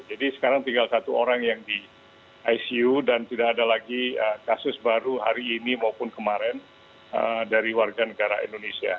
jadi sekarang tinggal satu orang yang di icu dan tidak ada lagi kasus baru hari ini maupun kemarin dari warga negara indonesia